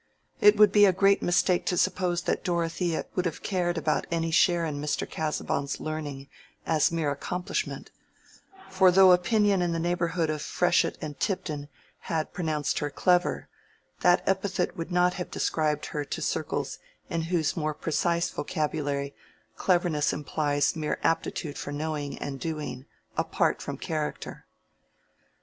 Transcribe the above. It would be a great mistake to suppose that Dorothea would have cared about any share in Mr. Casaubon's learning as mere accomplishment; for though opinion in the neighborhood of Freshitt and Tipton had pronounced her clever, that epithet would not have described her to circles in whose more precise vocabulary cleverness implies mere aptitude for knowing and doing, apart from character.